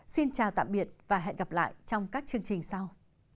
xin chào tạm biệt và hẹn gặp lại trong các chương trình sau